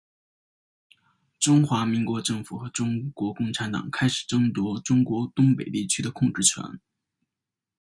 中华民国政府和中国共产党开始争夺中国东北地区的控制权。